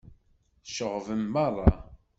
Tceɣɣben merra.